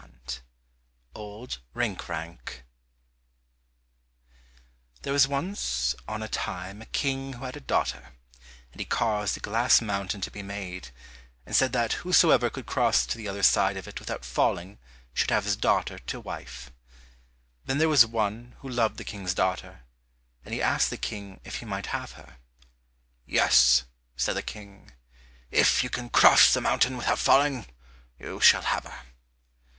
196 Old Rinkrank There was once on a time a King who had a daughter, and he caused a glass mountain to be made, and said that whosoever could cross to the other side of it without falling should have his daughter to wife. Then there was one who loved the King's daughter, and he asked the King if he might have her. "Yes," said the King; "if you can cross the mountain without falling, you shall have her."